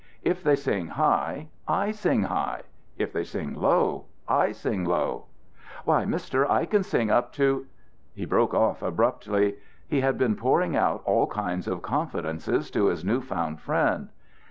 If they sing high, I sing high; if they sing low, I sing low. Why, Mister, I can sing up to " He broke off abruptly. He had been pouring out all kinds of confidences to his new found friend.